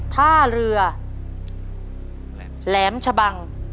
ท่าเรือแหลมชะบัง